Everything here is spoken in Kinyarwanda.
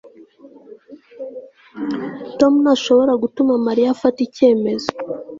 tom ntashobora gutuma mariya afata icyemezo